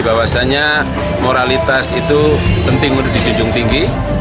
bahwasannya moralitas itu penting untuk dijunjung tinggi